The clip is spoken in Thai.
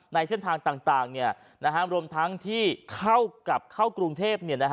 ในเส้นทางต่างรวมทั้งที่เข้ากลับเข้ากรุงเทพ